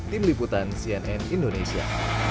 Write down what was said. tim liputan cnn indonesia